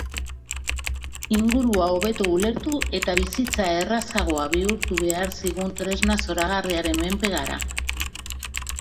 Ingurua hobeto ulertu eta bizitza errazagoa bihurtu behar zigun tresna zoragarriaren menpe gara.